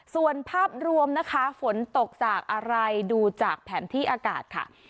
ส่วนภาพรวมนะคะฝนตกจากอะไรดูจากแผนที่อากาศค่ะ